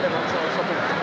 dengan salah satu kemungkinan